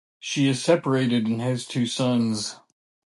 She is separated and has two sons.